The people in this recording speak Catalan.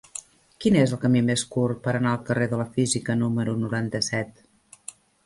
Quin és el camí més curt per anar al carrer de la Física número noranta-set?